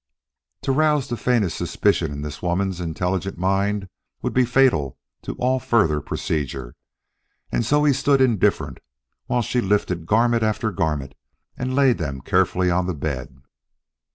To rouse the faintest suspicion in this woman's intelligent mind would be fatal to all further procedure, and so he stood indifferent, while she lifted garment after garment and laid them carefully on the bed.